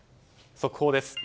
速報です。